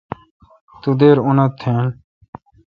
تو دیر اونت تھین۔